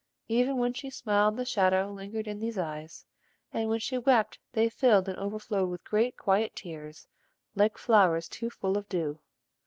Even when she smiled the shadow lingered in these eyes, and when she wept they filled and overflowed with great, quiet tears like flowers too full of dew.